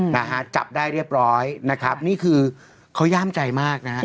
นะฮะจับได้เรียบร้อยนะครับนี่คือเขาย่ามใจมากนะฮะ